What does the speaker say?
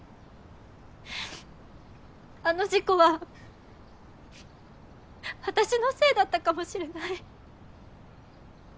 あの事故は私のせいだったかもしれない。